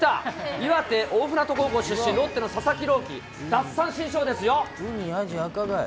岩手・大船渡高校出身のロッテの佐々木朗希、奪三振ショーですよ。